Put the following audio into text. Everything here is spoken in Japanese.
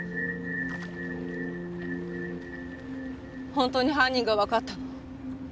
本当に犯人がわかったの？